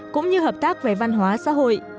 cũng như hợp tác về văn hóa xã hội